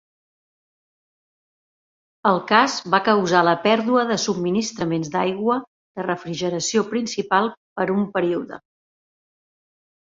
El cas va causar la pèrdua de subministraments d'aigua de refrigeració principal per un període.